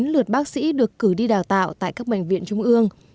một mươi chín lượt bác sĩ được cử đi đào tạo tại các bệnh viện trung ương